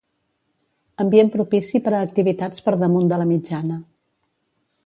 Ambient propici per a activitats per damunt de la mitjana.